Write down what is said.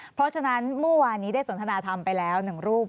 เพราะฉะนั้นเมื่อวานนี้ได้สนทนาธรรมไปแล้ว๑รูป